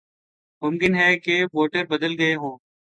ممکن ہے کہ ووٹر بدل گئے ہوں۔